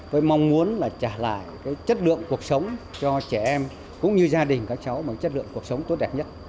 với mong muốn trả lại chất lượng cuộc sống cho trẻ em cũng như gia đình các cháu với chất lượng cuộc sống tốt đẹp nhất